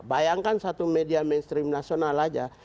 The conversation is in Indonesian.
bayangkan satu media mainstream nasional aja